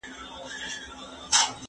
د قانون په اړه یو سمبولیک تصور لرو.